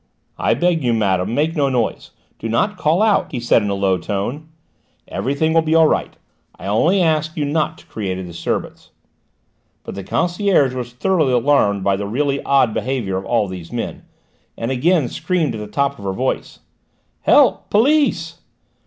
"I beg you, madame, make no noise: do not call out!" he said in a low tone. "Everything will be all right. I only ask you not to create a disturbance." But the concierge was thoroughly alarmed by the really odd behaviour of all these men, and again screamed at the top of her voice: "Help! Police!"